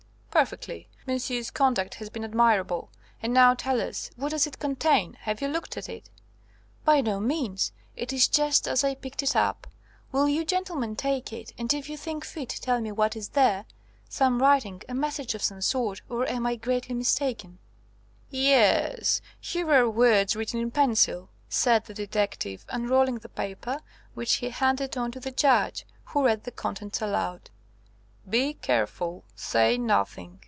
"Perfectly. Monsieur's conduct has been admirable. And now tell us what does it contain? Have you looked at it?" "By no means. It is just as I picked it up. Will you gentlemen take it, and if you think fit, tell me what is there? Some writing a message of some sort, or I am greatly mistaken." "Yes, here are words written in pencil," said the detective, unrolling the paper, which he handed on to the Judge, who read the contents aloud "Be careful. Say nothing.